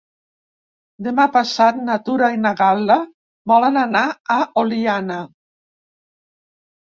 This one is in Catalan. Demà passat na Tura i na Gal·la volen anar a Oliana.